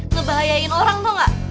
ngebahayain orang tau gak